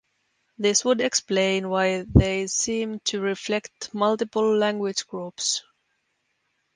This would explain why they seem to reflect multiple language groups.